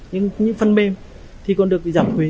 những phân mêm thì còn được giảm thuế